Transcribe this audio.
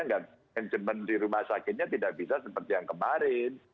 manajemen di rumah sakitnya tidak bisa seperti yang kemarin